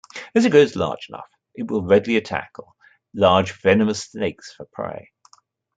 As it grows large enough, it will readily tackle large venomous snakes for prey.